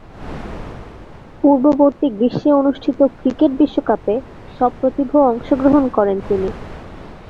পূর্ববর্তী গ্রীষ্মে অনুষ্ঠিত ক্রিকেট বিশ্বকাপে সপ্রতিভ অংশগ্রহণ করেন তিনি।